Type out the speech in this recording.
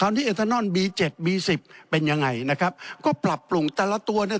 อันนี้เอทานอนบีเจ็ดบีสิบเป็นยังไงนะครับก็ปรับปรุงแต่ละตัวเนี่ย